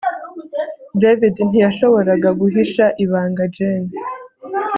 David ntiyashoboraga guhisha ibanga Jane